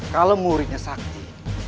kalau muridnya sakti